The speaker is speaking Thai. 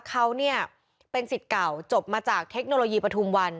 เขาเนี่ยเป็นสิทธิ์เก่าจบมาจากเทคโนโลยีปฐุมวัน